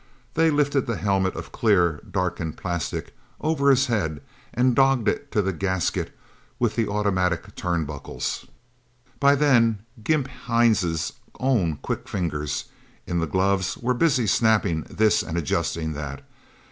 They lifted the helmet of clear, darkened plastic over his head, and dogged it to the gasket with the automatic turnbuckles. By then, Gimp Hines' own quick fingers, in the gloves, were busy snapping this and adjusting that.